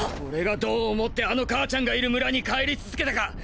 俺がどう思ってあの母ちゃんがいる村に帰り続けたか！！